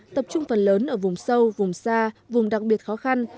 đó là những địa bàn lớn ở vùng sâu vùng xa vùng đặc biệt khó khăn